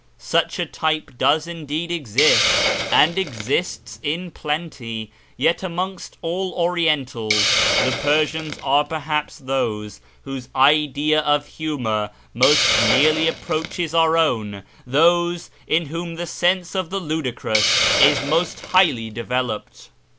Such a type does indeed exist, and exists in plenty. Yet amongst all Orientals the Persians are perhaps those whose idea of humour most nearly approaches our own, those in whom the sense of the ludicrous is most highly developed.